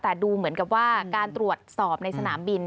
แต่ดูเหมือนกับว่าการตรวจสอบในสนามบิน